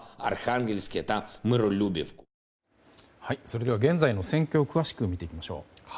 それでは、現在の戦況を詳しく見ていきましょう。